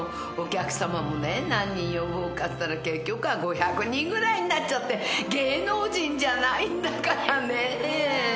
お客さまもね何人呼ぼうかっつったら結局は５００人ぐらいになっちゃって芸能人じゃないんだからねぇ。